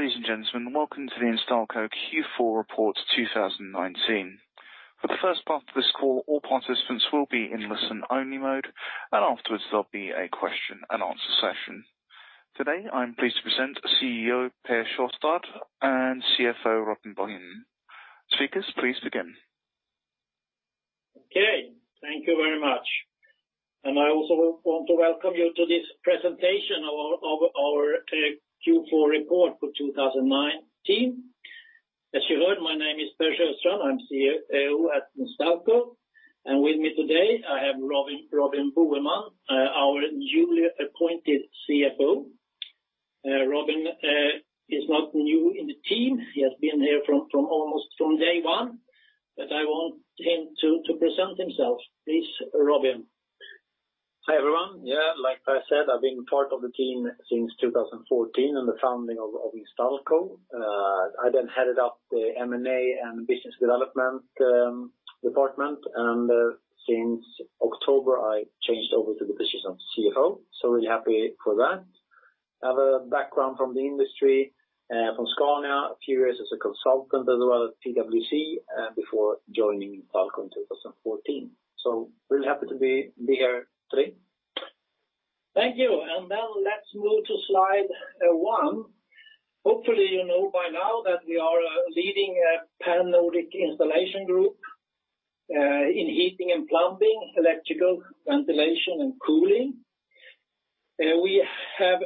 Ladies and gentlemen, welcome to the Instalco Q4 report 2019. For the first part of this call, all participants will be in listen-only mode. Afterwards there'll be a question and answer session. Today, I'm pleased to present CEO Per Sjöstrand and CFO Robin Boheman. Speakers, please begin. Okay. Thank you very much. I also want to welcome you to this presentation of our Q4 report for 2019. As you heard, my name is Per Sjöstrand. I'm CEO at Instalco, and with me today I have Robin Boheman, our newly appointed CFO. Robin is not new in the team. He has been here almost from day one, but I want him to present himself. Please, Robin. Hi, everyone. Like Per said, I've been part of the team since 2014 and the founding of Instalco. I headed up the M&A and business development department. Since October I changed over to the position of CFO. Really happy for that. I have a background from the industry, from Scania, a few years as a consultant as well at PwC before joining Instalco in 2014. Really happy to be here today. Thank you. Now let's move to slide one. Hopefully, you know by now that we are a leading pan-Nordic installation group in heating and plumbing, electrical, ventilation and cooling. We have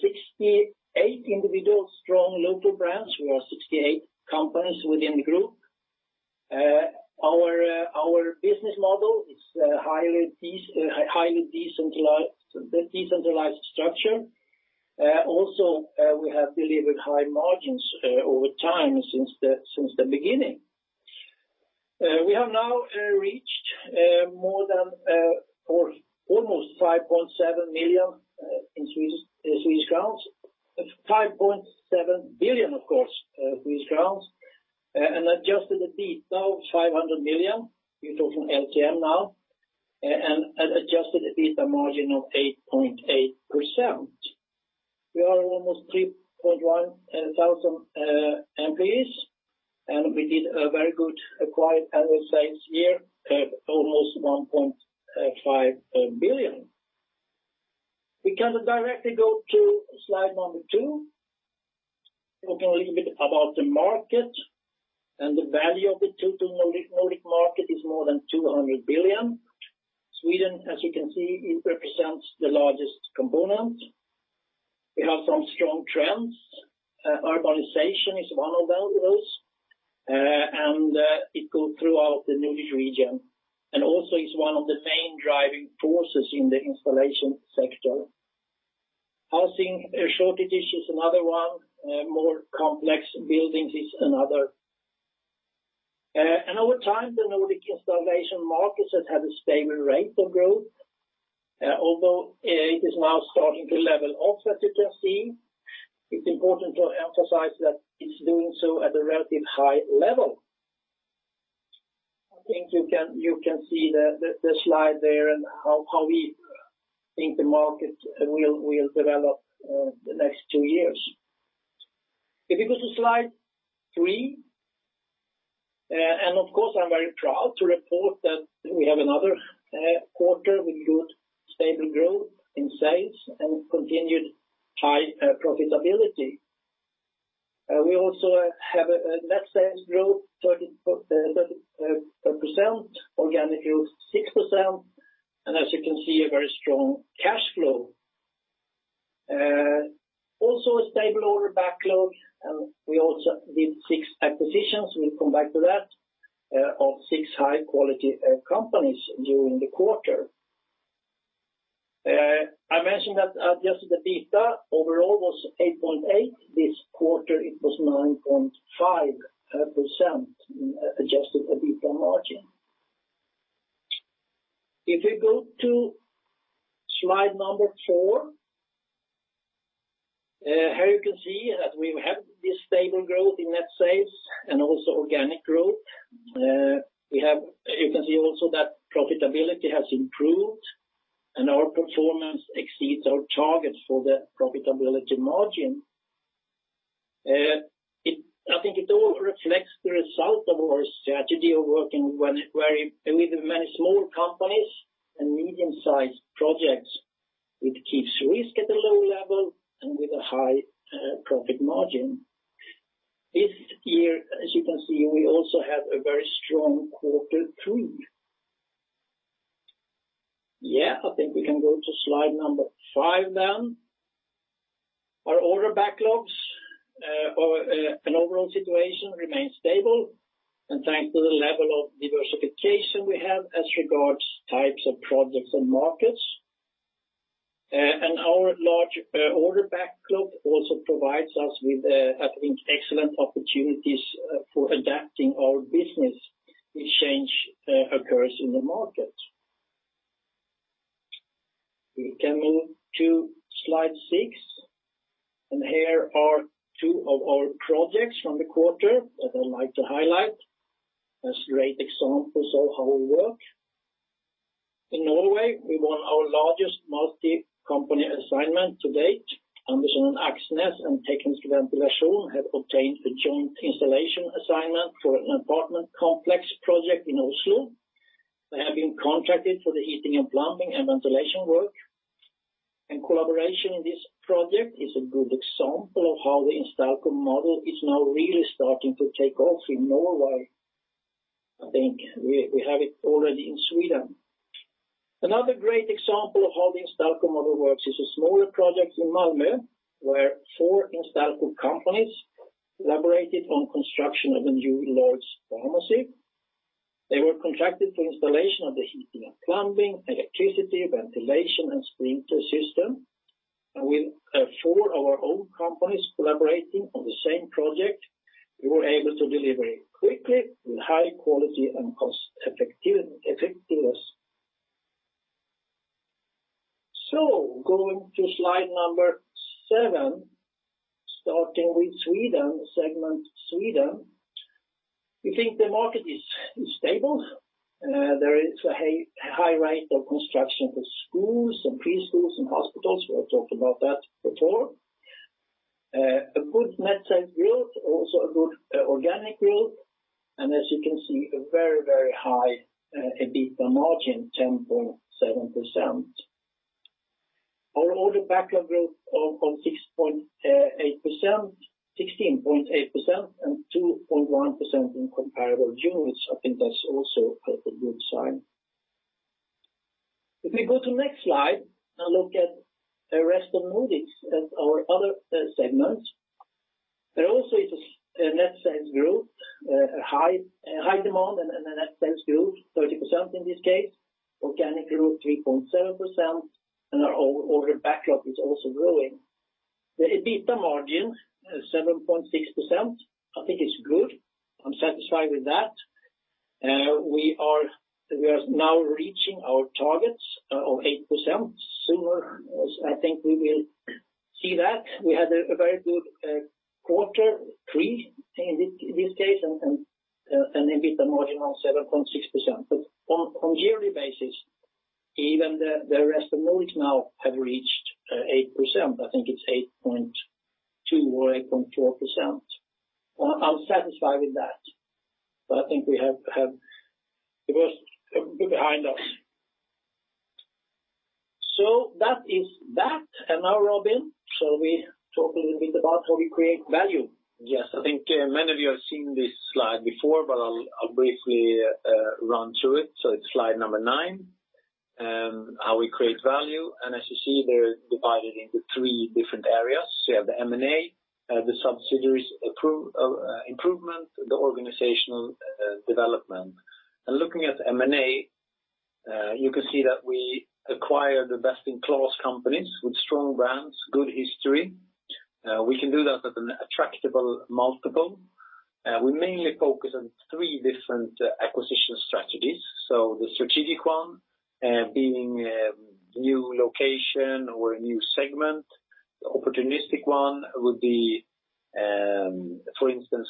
68 individual strong local brands. We are 68 companies within the group. Our business model is highly decentralized structure. We have delivered high margins over time since the beginning. We have now reached almost 5.7 million. Crowns 5.7 billion, of course and adjusted EBITDA of 500 million. We're talking LTM now and adjusted EBITDA margin of 8.8%. We are almost 3,100 employees and we did a very good acquired annual sales year at almost 1.5 billion. We can directly go to slide number two. Talk a little bit about the market and the value of the total Nordic market is more than 200 billion. Sweden, as you can see, it represents the largest component. We have some strong trends. Urbanization is one of them, of course, and it go throughout the Nordic region and also is one of the main driving forces in the installation sector. Housing shortage issue is another one. More complex buildings is another. Over time, the Nordic installation markets has had a stable rate of growth, although it is now starting to level off as you can see. It's important to emphasize that it's doing so at a relative high level. I think you can see the slide there and how we think the market will develop the next two years. If you go to slide three, of course I'm very proud to report that we have another quarter with good stable growth in sales and continued high profitability. We also have a net sales growth 30%, organic growth 6%. As you can see, a very strong cash flow. Also a stable order backlog. We also did six acquisitions, we'll come back to that, of six high quality companies during the quarter. I mentioned that adjusted EBITDA overall was 8.8%; this quarter, it was 9.5% adjusted EBITDA margin. If you go to slide number four, here you can see that we have this stable growth in net sales and also organic growth. You can see also that profitability has improved and our performance exceeds our targets for the profitability margin. I think it all reflects the result of our strategy of working with many small companies and medium-sized projects, which keeps risk at a low level and with a high profit margin. This year, as you can see, we also have a very strong quarter three. Yeah, I think we can go to slide number five then. Our order backlogs or an overall situation remains stable thanks to the level of diversification we have as regards types of projects and markets. Our large order backlog also provides us with, I think, excellent opportunities for adapting our business if change occurs in the market. We come in to slide six. Here are two of our projects from the quarter that I'd like to highlight as great examples of how we work. In Norway, we won our largest multi-company assignment to date. Andersen og Aksnes and Teknisk Ventilasjon have obtained a joint installation assignment for an apartment complex project in Oslo. They have been contracted for the heating and plumbing and ventilation work. Collaboration in this project is a good example of how the Instalco model is now really starting to take off in Norway. I think we have it already in Sweden. Another great example of how the Instalco model works is a smaller project in Malmö, where four Instalco companies collaborated on construction of a new large pharmacy. They were contracted for installation of the heating and plumbing, electricity, ventilation, and sprinkler system. With four of our own companies collaborating on the same project, we were able to deliver it quickly with high quality and cost-effectiveness. Going to slide number seven, starting with Sweden, segment Sweden. We think the market is stable. There is a high rate of construction for schools and preschools and hospitals, we have talked about that before. A good net sales growth, also a good organic growth, and as you can see, a very, very high EBITDA margin, 10.7%. Our order backlog growth of 16.8% and 2.1% in comparable units. I think that's also a good sign. If we go to next slide and look at the Rest of Nordics as our other segments, there also is a net sales growth, a high demand and a net sales growth, 30% in this case, organic growth 3.7%, and our order backlog is also growing. The EBITDA margin, 7.6%, I think is good. I'm satisfied with that. We are now reaching our targets of 8% sooner as I think we will see that. We had a very good quarter three in this case, and an EBITDA margin of 7.6%. On yearly basis, even the Rest of Nordics now have reached 8%. I think it's 8.2% or 8.4%. I'm satisfied with that. But I think we have the worst behind us. That is that, and now Robin, shall we talk a little bit about how we create value? Yes. I think many of you have seen this slide before, but I'll briefly run through it. It's slide number nine, how we create value. As you see, they're divided into three different areas. We have the M&A, the subsidiaries improvement, the organizational development. Looking at M&A, you can see that we acquire the best-in-class companies with strong brands, good history. We can do that at an attractive multiple. We mainly focus on three different acquisition strategies. The strategic one being a new location or a new segment. The opportunistic one would be, for instance,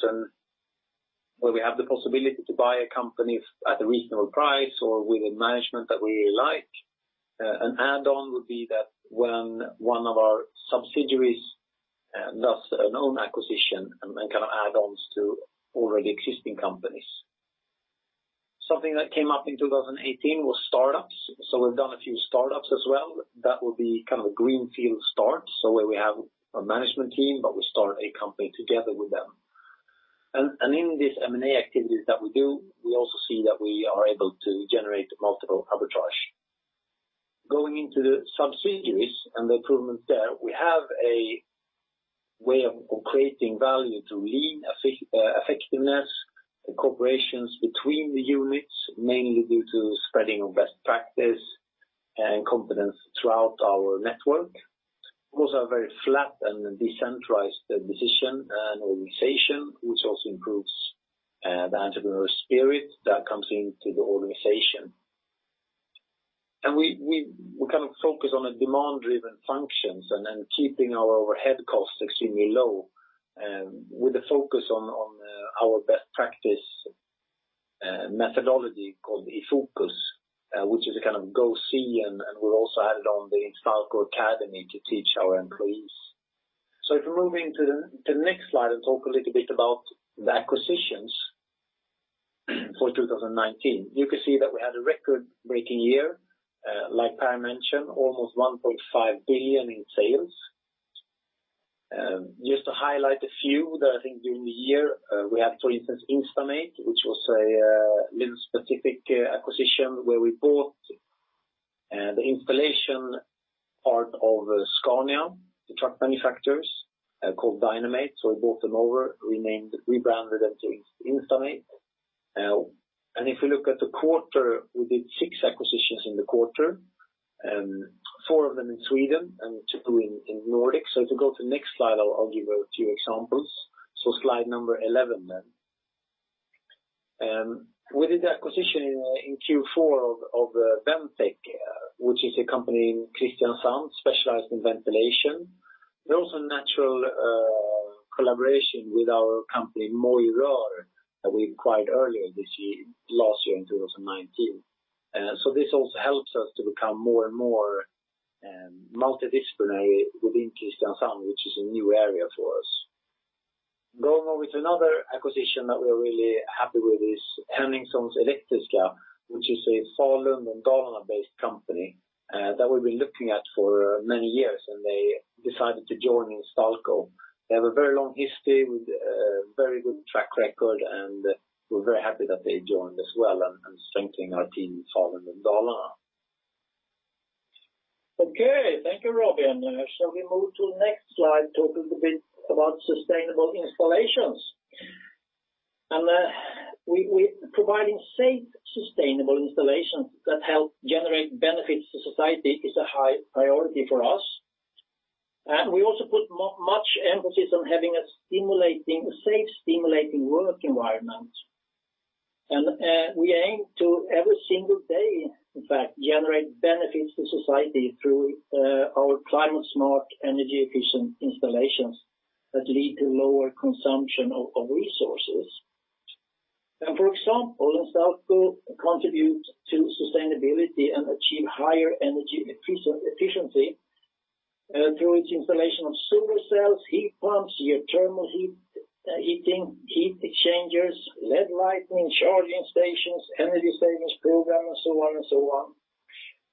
when we have the possibility to buy a company at a reasonable price or with a management that we really like. An add-on would be that when one of our subsidiaries does an own acquisition and then kind of add-ons to already existing companies. Something that came up in 2018 was startups. We've done a few startups as well. That will be kind of a greenfield start. Where we have a management team, but we start a company together with them. In these M&A activities that we do, we also see that we are able to generate multiple arbitrage. Going into the subsidiaries and the improvements there, we have a way of creating value through lean effectiveness, cooperations between the units, mainly due to spreading of best practice and competence throughout our network. We also have very flat and decentralized decision and organization, which also improves the entrepreneurial spirit that comes into the organization. We kind of focus on a demand-driven functions and then keeping our overhead costs extremely low with the focus on our best practice methodology called IFOKUS, which is a kind of go see, and we've also added on the Instalco Academy to teach our employees. If we move into the next slide and talk a little bit about the acquisitions for 2019. You can see that we had a record-breaking year, like Per mentioned, almost 1.5 billion in sales. Just to highlight a few that I think during the year, we had, for instance, Instamate, which was a little specific acquisition where we bought the installation part of Scania, the truck manufacturers, called DynaMate. We bought them over, rebranded it to Instamate. If we look at the quarter, we did six acquisitions in the quarter, four of them in Sweden and two in Nordic. If we go to next slide, I'll give a few examples. Slide number 11. We did the acquisition in Q4 of Ventec, which is a company in Kristiansand specialized in ventilation. They're also a natural collaboration with our company, Moi Rør, that we acquired earlier this year, last year in 2019. This also helps us to become more and more multidisciplinary within Kristiansand, which is a new area for us. Going on with another acquisition that we're really happy with is Henningsons Elektriska, which is a Falun and Dalarna-based company that we've been looking at for many years, and they decided to join Instalco. They have a very long history with a very good track record, and we're very happy that they joined as well and strengthen our team in Falun and Dalarna. Okay. Thank you, Robin. Shall we move to the next slide? Talk a little bit about Sustainable Installations. Providing safe, Sustainable Installations that help generate benefits to society is a high priority for us. We also put much emphasis on having a safe, stimulating work environment. We aim to every single day, in fact, generate benefits to society through our climate-smart energy efficient installations that lead to lower consumption of resources. For example, Instalco contributes to sustainability and achieve higher energy efficiency through its installation of solar cells, heat pumps, geothermal heat, heating, heat exchangers, LED lighting, charging stations, energy savings program, and so on.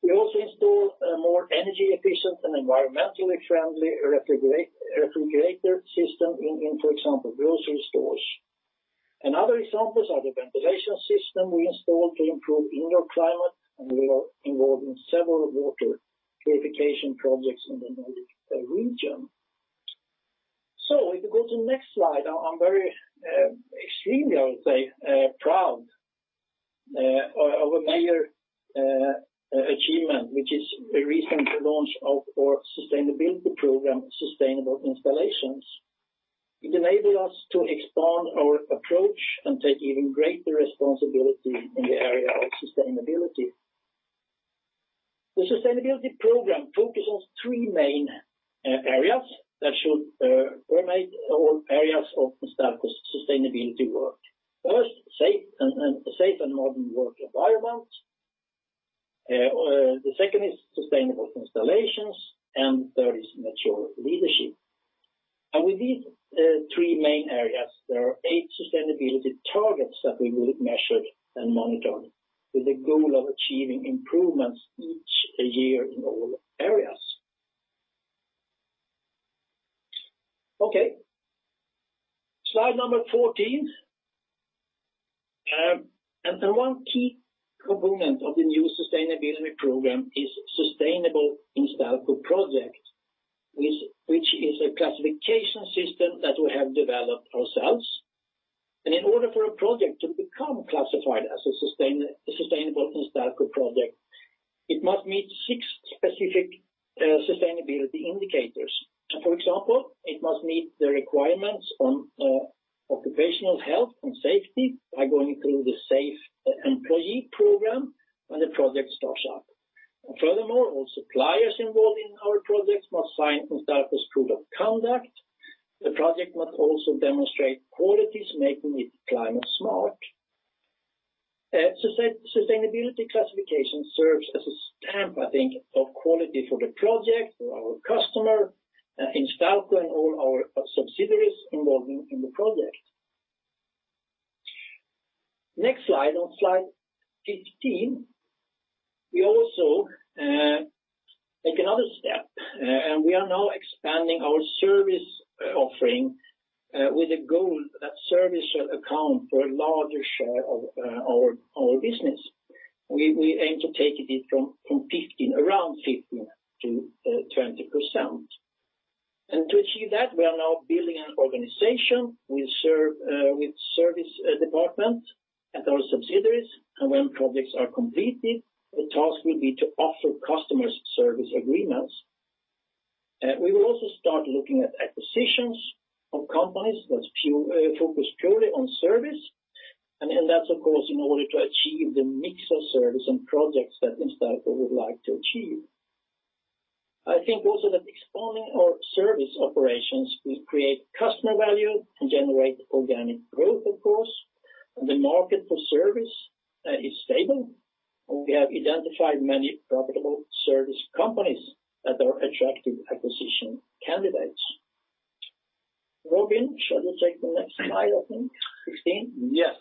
We also install a more energy efficient and environmentally friendly refrigerator system in, for example, grocery stores. Other examples are the ventilation system we install to improve indoor climate, and we are involved in several water purification projects in the Nordic region. If we go to the next slide, I'm extremely, I would say, proud of our major achievement, which is the recent launch of our sustainability program, Sustainable Installations. It enabled us to expand our approach and take even greater responsibility in the area of sustainability. The sustainability program focuses on three main areas that should permeate all areas of Instalco sustainability work. First, safe and modern work environment. The second is sustainable installations, and third is mature leadership. With these three main areas, there are eight sustainability targets that we will measure and monitor with the goal of achieving improvements each year in all areas. Slide number 14. One key component of the new sustainability program is Sustainable Instalco Project, which is a classification system that we have developed ourselves. In order for a project to become classified as a Sustainable Instalco Project, it must meet six specific sustainability indicators. For example, it must meet the requirements on occupational health and safety by going through the Safe Employee program when the project starts up. Furthermore, all suppliers involved in our projects must sign Instalco's Code of Conduct. The project must also demonstrate qualities making it climate smart. Sustainability classification serves as a stamp, I think of quality for the project, for our customer, Instalco, and all our subsidiaries involved in the project. Next slide. On slide 15, we also take another step, we are now expanding our service offering with a goal that service should account for a larger share of our business. We aim to take it from around 15%-20%. To achieve that, we are now building an organization with service department at our subsidiaries, and when projects are completed, the task will be to offer customers service agreements. We will also start looking at acquisitions of companies that focus purely on service. That's of course in order to achieve the mix of service and projects that Instalco would like to achieve. I think also that expanding our service operations will create customer value and generate organic growth, of course, and the market for service is stable, and we have identified many profitable service companies that are attractive acquisition candidates. Robin, shall you take the next slide, I think, 16? Yes.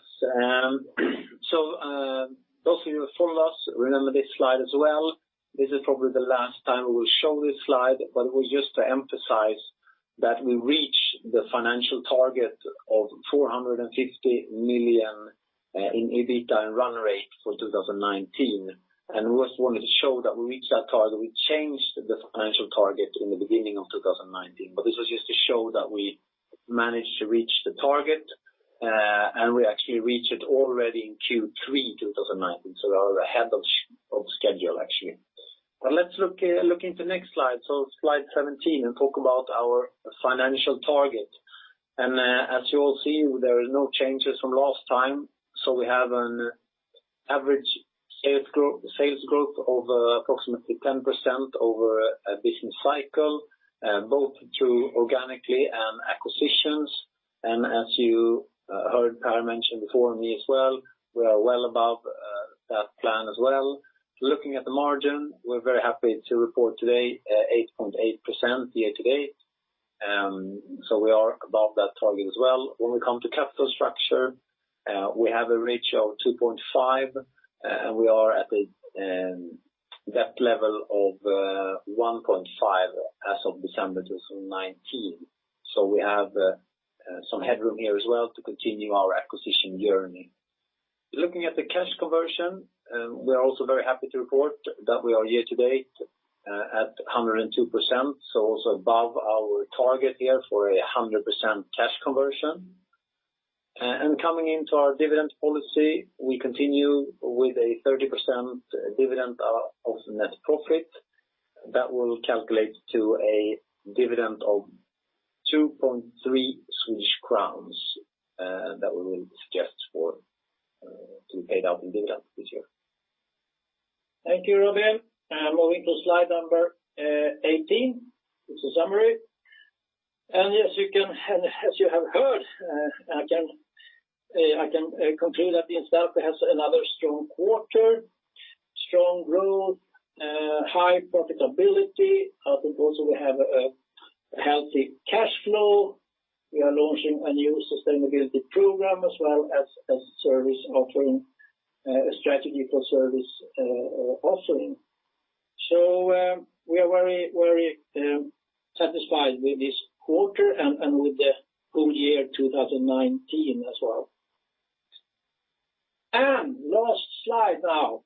Those of you who follow us remember this slide as well. This is probably the last time we will show this slide, it was just to emphasize that we reached the financial target of 450 million in EBITDA and run rate for 2019. We just wanted to show that we reached that target. We changed the financial target in the beginning of 2019, this was just to show that we managed to reach the target, we actually reached it already in Q3 2019. We are ahead of schedule, actually. Let's look into next slide, Slide 17, talk about our financial target. As you all see, there is no changes from last time. We have an average sales growth of approximately 10% over a business cycle, both through organically and acquisitions. As you heard Per mention before me as well, we are well above that plan as well. Looking at the margin, we're very happy to report today, 8.8% year to date. We are above that target as well. When we come to capital structure, we have a ratio of 2.5, and we are at the debt level of 1.5 as of December 2019. We have some headroom here as well to continue our acquisition journey. Looking at the cash conversion, we are also very happy to report that we are year to date at 102%, so also above our target here for 100% cash conversion. Coming into our dividend policy, we continue with a 30% dividend of net profit. That will calculate to a dividend of 2.3 Swedish crowns that we will suggest to be paid out in dividends this year. Thank you, Robin. Moving to slide number 18, which is summary. As you have heard, I can conclude that Instalco has another strong quarter, strong growth, high profitability. I think also we have a healthy cash flow. We are launching a new sustainability program as well as a strategy for service offering. We are very satisfied with this quarter and with the full year 2019 as well. Last slide now.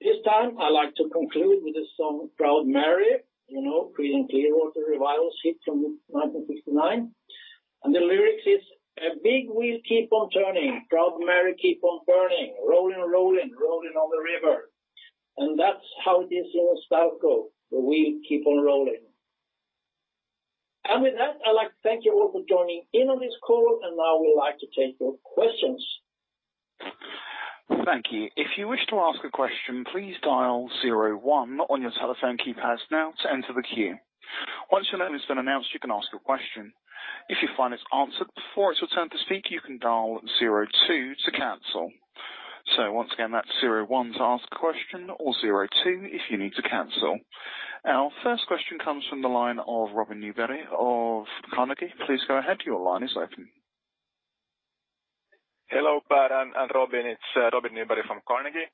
This time I'd like to conclude with the song "Proud Mary," Creedence Clearwater Revival's hit from 1969. The lyrics is, "A big wheel keep on turning, Proud Mary keep on burning. Rolling, rolling on the river." That's how it is in Instalco. The wheel keep on rolling. With that, I'd like to thank you all for joining in on this call, and now we'd like to take your questions. Thank you. If you wish to ask a question, please dial zero one on your telephone keypads now to enter the queue. Once your name has been announced, you can ask your question. If you find it's answered before it's your turn to speak, you can dial zero two to cancel. Once again, that's zero one to ask a question or zero two if you need to cancel. Our first question comes from the line of Robin Nyberg of Carnegie. Please go ahead, your line is open. Hello, Per and Robin. It's Robin Nyberg from Carnegie.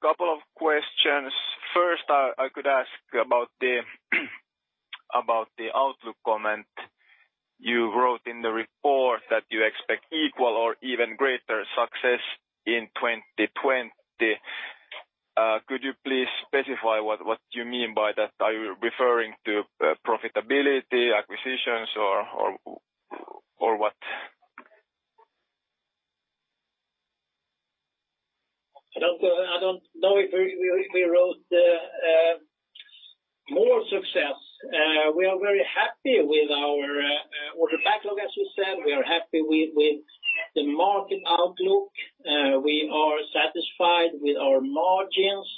Couple of questions. First, I could ask about the outlook comment. You wrote in the report that you expect equal or even greater success in 2020. Could you please specify what you mean by that? Are you referring to profitability, acquisitions or what? I don't know if we wrote more success. We are very happy with our order backlog, as you said. We are happy with the market outlook. We are satisfied with our margins.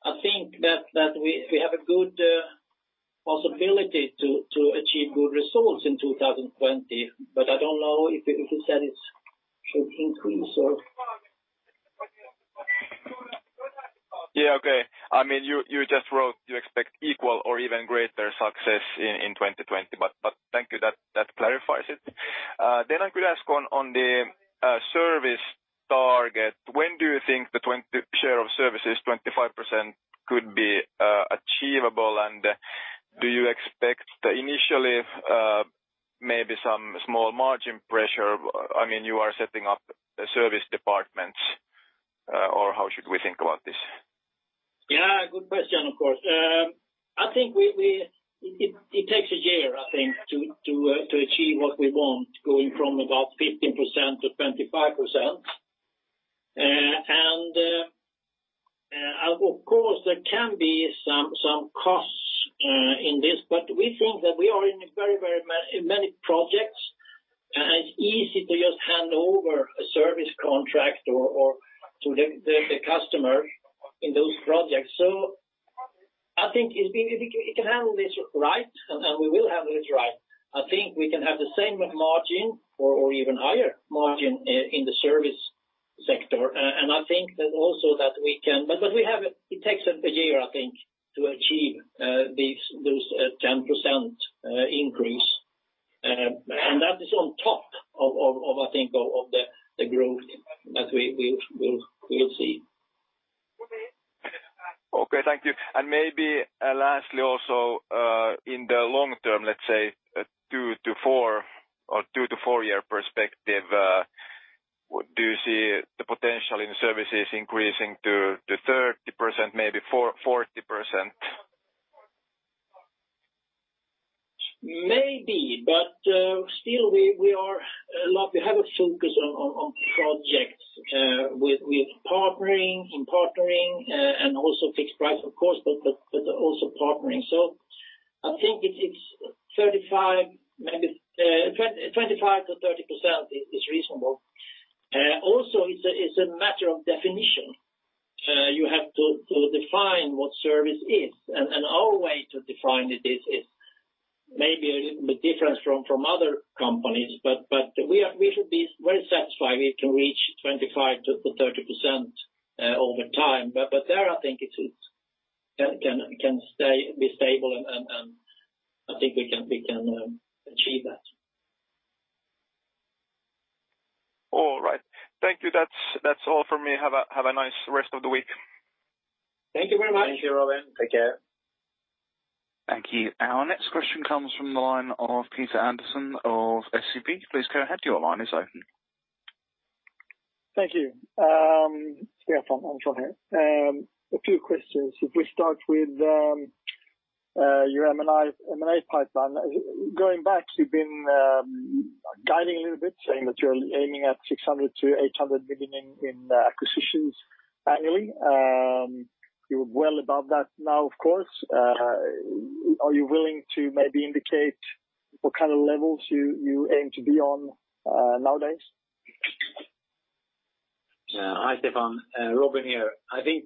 I think that we have a good possibility to achieve good results in 2020, but I don't know if you said it should increase. Yeah. Okay. You just wrote you expect equal or even greater success in 2020. Thank you. That clarifies it. I could ask on the service target, when do you think the share of service is 25% could be achievable, and do you expect initially maybe some small margin pressure? You are setting up service departments, or how should we think about this? Yeah, good question, of course. It takes a year, I think, to achieve what we want, going from about 15% to 25%. Of course, there can be some costs in this, but we think that we are in many projects, and it's easy to just hand over a service contract to the customer in those projects. I think if we can handle this right, and we will handle this right, I think we can have the same margin or even higher margin in the service sector. It takes up a year, I think, to achieve those 10% increase. That is on top of the growth that we'll see. Okay. Thank you. Maybe lastly also, in the long term, let's say two to four-year perspective, do you see the potential in services increasing to 30%, maybe 40%? Maybe, still we have a focus on projects with partnering and also fixed price, of course, but also partnering. I think 25%-30% is reasonable. Also, it's a matter of definition. You have to define what service is, and our way to define it is maybe a little bit different from other companies, but we should be very satisfied we can reach 25%-30% over time. There, I think it can stay stable, and I think we can achieve that. All right. Thank you. That's all from me. Have a nice rest of the week. Thank you very much. Thank you, Robin. Take care. Thank you. Our next question comes from the line of Peter Anderson of SEB. Please go ahead. Your line is open. Thank you. Stefan, I'm sure here. A few questions. We start with your M&A pipeline. Going back, you've been guiding a little bit, saying that you're aiming at 600 million-800 million in acquisitions annually. You're well above that now, of course. Are you willing to maybe indicate what kind of levels you aim to be on nowadays? Hi, Stefan. Robin here. I think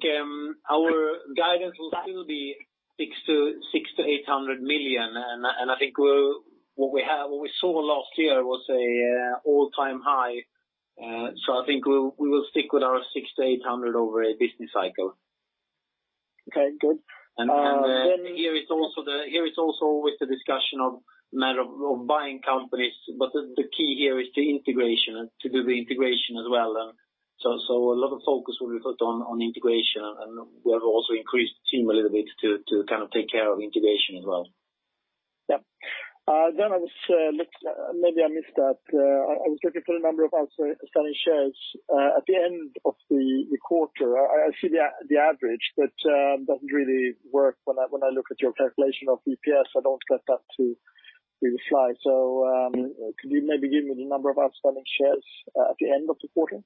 our guidance will still be 600 million-800 million. I think what we saw last year was an all-time high. I think we will stick with our 600 million-800 million over a business cycle. Okay, good. Here is also with the discussion of matter of buying companies. The key here is the integration and to do the integration as well. A lot of focus will be put on integration, and we have also increased the team a little bit to take care of integration as well. Yeah. Maybe I missed that. I was looking for the number of outstanding shares at the end of the quarter. I see the average, but it doesn't really work when I look at your calculation of EPS. I don't get that to do the slide. Could you maybe give me the number of outstanding shares at the end of the quarter?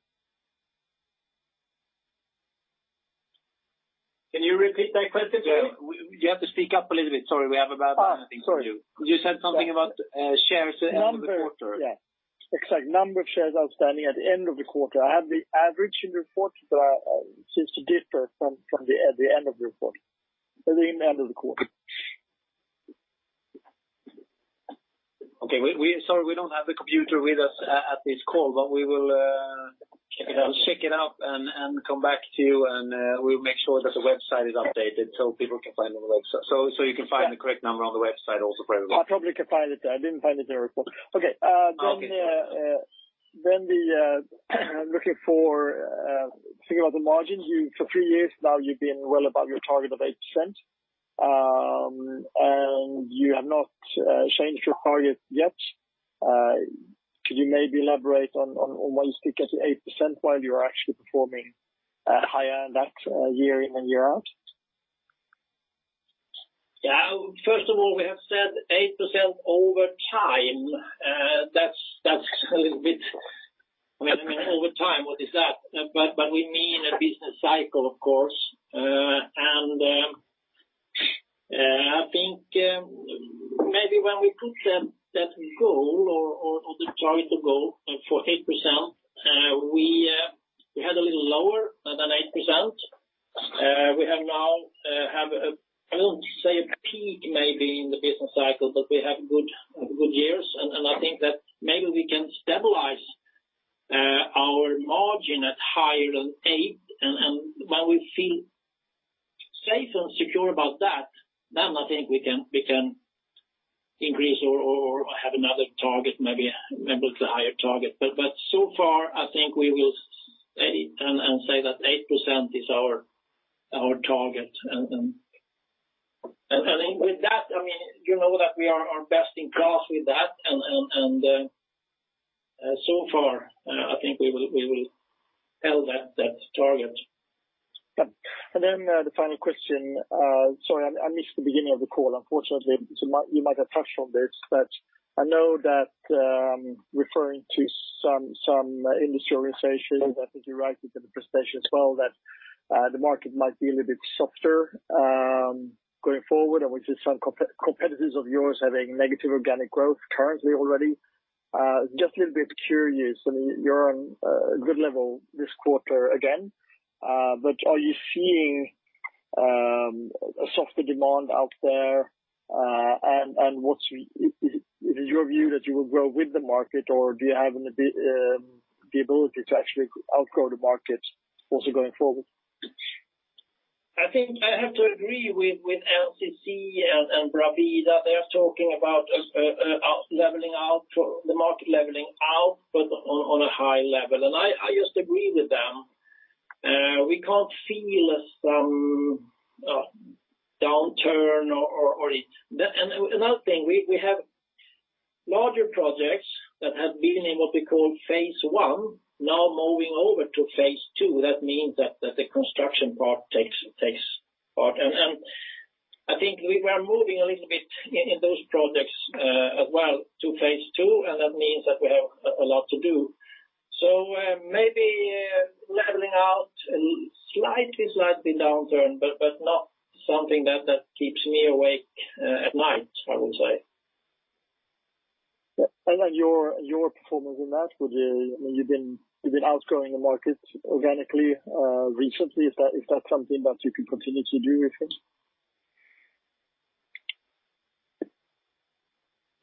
Can you repeat that question? You have to speak up a little bit. Sorry, we have a bad connection. Sorry. You said something about shares at the end of the quarter. Yeah. Exactly. Number of shares outstanding at the end of the quarter. I have the average in the report, but it seems to differ from the end of the report. At the end of the quarter. Okay. Sorry, we don't have the computer with us at this call, but we will- Check it out. Check it out and come back to you, and we'll make sure that the website is updated so people can find it on the website. You can find the correct number on the website also for everyone. I probably can find it there. I didn't find it in your report. Okay. Okay. Looking for, think about the margins. For three years now, you've been well above your target of 8%, and you have not changed your target yet. Could you maybe elaborate on why you stick at the 8% while you are actually performing higher than that year in and year out? First of all, we have said 8% over time. That's a little bit over time. What is that? We mean a business cycle, of course. I think maybe when we put that goal or the choice to go for 8%, we had a little lower than 8%. We now have, I don't say a peak maybe in the business cycle, but we have good years, and I think that maybe we can stabilize our margin at higher than 8%, and when we feel safe and secure about that, then I think we can increase or have another target, maybe it's a higher target. So far, I think we will stay and say that 8% is our target. I think with that, you know that we are best in class with that, and so far, I think we will hold that target. Yeah. The final question. Sorry, I missed the beginning of the call, unfortunately. You might have touched on this, but I know that referring to some industry organizations, I think you write it in the presentation as well, that the market might be a little bit softer going forward, and we see some competitors of yours having negative organic growth currently already. Just a little bit curious, you're on a good level this quarter again, but are you seeing a softer demand out there? Is it your view that you will grow with the market or do you have the ability to actually outgrow the market also going forward? I think I have to agree with NCC and Bravida. They are talking about the market leveling out, but on a high level. I just agree with them. We can't feel some downturn. We have larger projects that have been in what we call Phase 1, now moving over to Phase 2. That means that the construction part takes part. I think we were moving a little bit in those projects as well to Phase 2, and that means that we have a lot to do. Maybe leveling out slightly downturn, but not something that keeps me awake at night, I would say. Yeah. Your performance in that, you've been outgrowing the market organically recently. Is that something that you can continue to do, you think?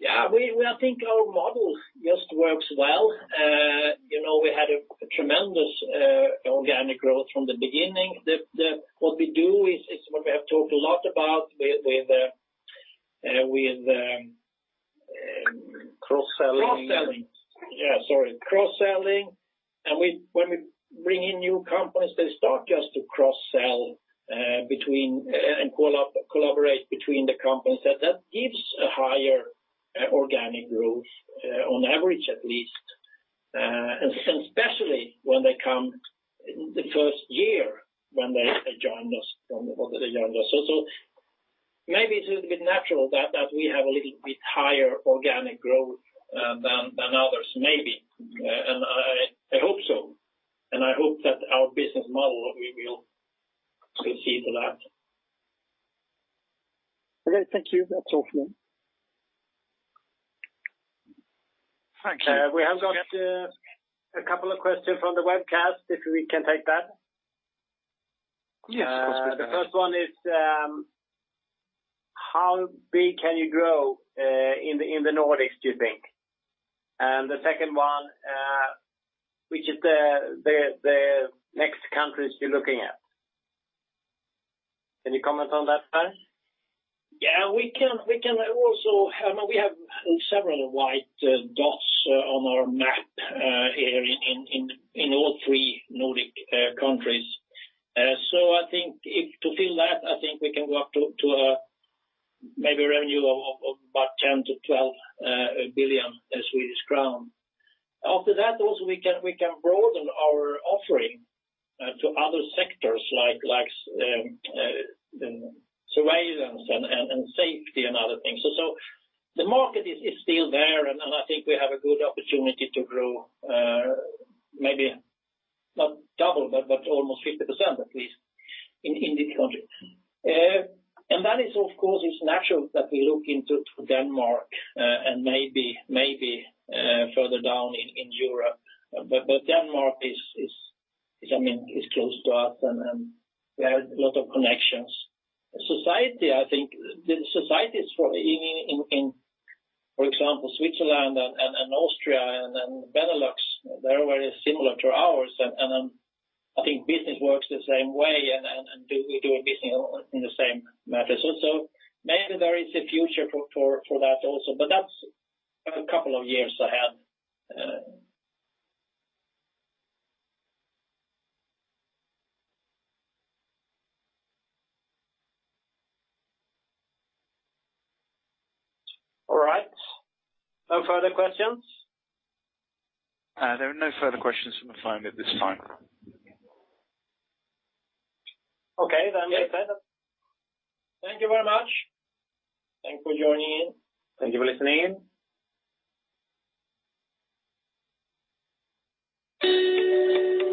Yeah. I think our model just works well. We had a tremendous organic growth from the beginning. What we do is what we have talked a lot about. Cross-selling Cross-selling. Yeah, sorry. Cross-selling. When we bring in new companies, they start just to cross-sell between and collaborate between the companies. That gives a higher organic growth, on average at least. Especially when they come the first year when they join us. Maybe it's a little bit natural that we have a little bit higher organic growth than others, maybe. I hope so. I hope that our business model, we will proceed to that. Okay, thank you. That's all from me. Thank you. We have got a couple of questions from the webcast, if we can take that. Yeah. Of course we can. The first one is, how big can you grow in the Nordics, do you think? The second one, which is the next countries you're looking at? Any comment on that, Per? Yeah. We have several white dots on our map here in all three Nordic countries. I think to fill that, I think we can go up to a maybe revenue of about 10 billion-12 billion Swedish crown. After that, also, we can broaden our offering to other sectors like surveillance and safety and other things. The market is still there, and I think we have a good opportunity to grow, maybe not double, but almost 50% at least in these countries. That is, of course, it's natural that we look into Denmark and maybe further down in Europe. Denmark is close to us, and we have a lot of connections. Society, I think the societies, for example, Switzerland and Austria and Benelux, they're very similar to ours. I think business works the same way, and we do our business in the same matters. Maybe there is a future for that also, but that's a couple of years ahead. All right. No further questions? There are no further questions from the phone at this time. Okay, thank you very much. Thanks for joining in. Thank you for listening in.